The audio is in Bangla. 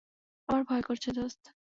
আমার ভয় করছে, দোস্ত।